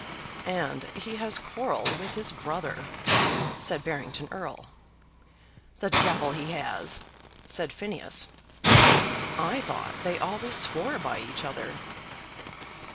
"And he has quarrelled with his brother," said Barrington Erle. "The devil he has!" said Phineas. "I thought they always swore by each other."